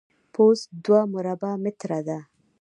پوست دوه مربع متره ده.